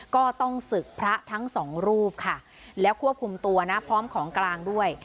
ก็ต้องศึกพระทั้งสองรูปค่ะแล้วควบคุมตัวนะพร้อมของกลางด้วย